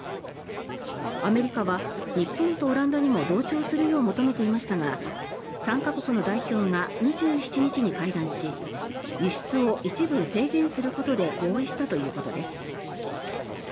アメリカは日本とオランダにも同調するよう求めていましたが３か国の代表が２７日に会談し輸出を一部制限することで合意したということです。